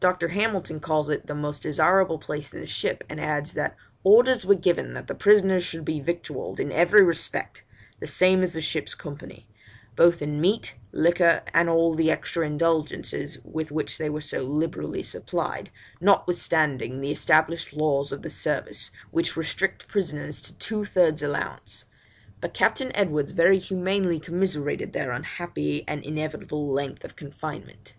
Dr. Hamilton calls it the most desirable place in the ship, and adds, that 'orders were given that the prisoners should be victualled, in every respect, the same as the ship's company, both in meat, liquor, and all the extra indulgences with which they were so liberally supplied, notwithstanding the established laws of the service, which restrict prisoners to two thirds allowance; but Captain Edwards very humanely commiserated their unhappy and inevitable length of confinement.'